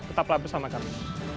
tetaplah bersama kami